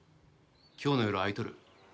今日の夜空いとる？